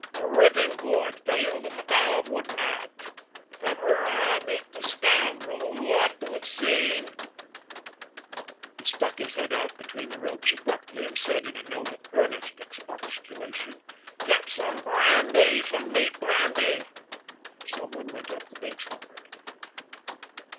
The ripping cord failed, and the valve wouldn't act. If ever I meet the scoundrel who ought to have seen " He stuck his head out between the ropes abruptly, and said, in a note of earnest expostulation: "Get some brandy! some neat brandy!" Some one went up the beach for it.